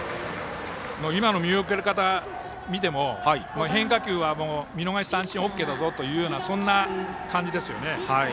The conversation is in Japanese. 今の見送り方を見ても変化球は見逃し三振ＯＫだぞというような感じです。